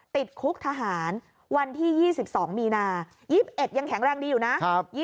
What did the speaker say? ติดคุกทหารวันที่๒๒มีนา๒๑ยังแข็งแรงดีอยู่นะ